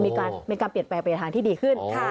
มีการเปลี่ยนแปลงไปในทางที่ดีขึ้น